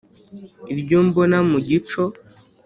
Iryo mbona mu gico